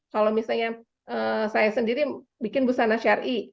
kalau misalnya saya sendiri bikin busana syari